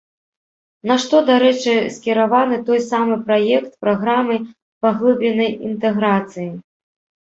На што, дарэчы, скіраваны той самы праект праграмы паглыбленай інтэграцыі.